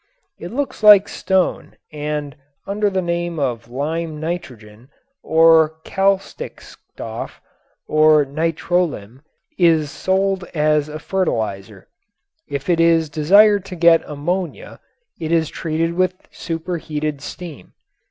It looks like stone and, under the name of lime nitrogen, or Kalkstickstoff, or nitrolim, is sold as a fertilizer. If it is desired to get ammonia, it is treated with superheated steam.